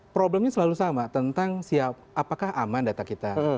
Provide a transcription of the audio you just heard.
problemnya selalu sama tentang siap apakah aman data kita